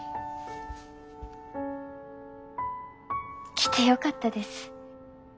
来てよかったです。